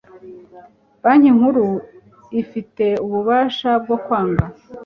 banki nkuru ifite ububasha bwo kwanga